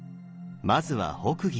まずは北魏。